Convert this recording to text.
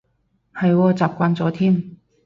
係喎，習慣咗添